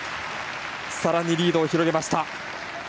さらにリードを広げました。